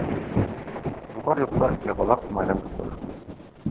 Шоңҡар юҡта ябалаҡ майҙан тотор.